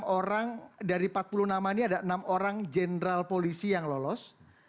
enam orang dari empat puluh nama ini ada enam orang jenderal polisi yang lolos